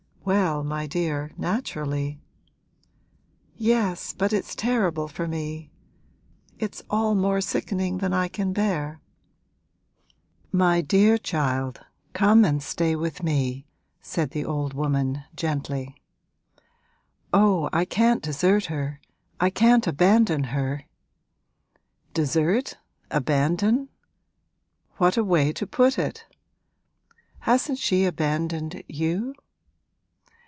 'Well, my dear, naturally.' 'Yes, but it's terrible for me: it's all more sickening than I can bear.' 'My dear child, come and stay with me,' said the old woman, gently. 'Oh, I can't desert her; I can't abandon her!' 'Desert abandon? What a way to put it! Hasn't she abandoned you?'